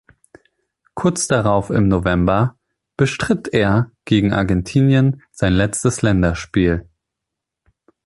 Kurz darauf im November bestritt er gegen Argentinien sein letztes Länderspiel.